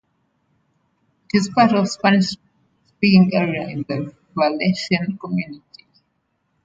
It is part of the Spanish-speaking area in the Valencian Community.